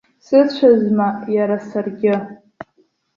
Сыцәазма иара саргьы!